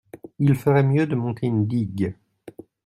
Il ferait mieux de monter une digue.